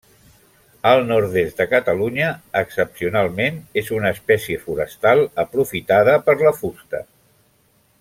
Al nord-est de Catalunya, excepcionalment, és una espècie forestal aprofitada per la fusta.